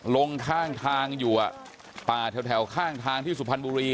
ลงข้างทางอยู่ป่าแถวข้างทางที่สุพรรณบุรี